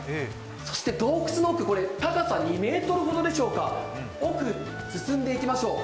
そして洞窟の奥、高さ２ｍほどでしょうか、奥に進んでいきましょう。